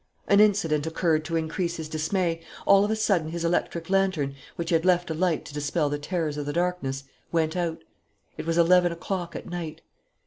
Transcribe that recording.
An incident occurred to increase his dismay. All of a sudden his electric lantern, which he had left alight to dispel the terrors of the darkness, went out. It was eleven o'clock at night.